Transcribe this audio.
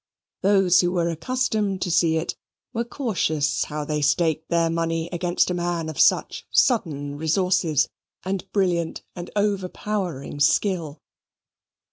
Those who were accustomed to see it were cautious how they staked their money against a man of such sudden resources and brilliant and overpowering skill.